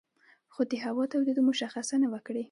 خو د هوا تودېدو مشخصه نه وه کړې